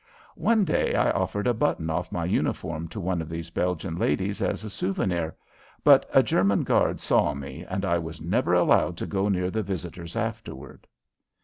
One day I offered a button off my uniform to one of these Belgian ladies as a souvenir, but a German guard saw me and I was never allowed to go near the visitors afterward.